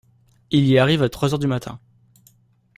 Il y arrive à trois heures du matin.